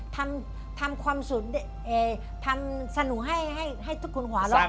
ทำทำสนุกให้คุณขวาน